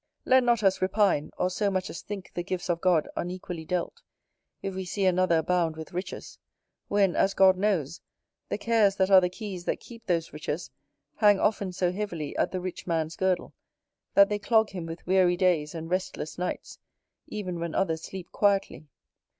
Let not us repine, or so much as think the gifts of God unequally dealt, if we see another abound with riches; when, as God knows, the cares that are the keys that keep those riches hang often so heavily at the rich man's girdle, that they clog him with weary days and restless nights, even when others sleep quietly.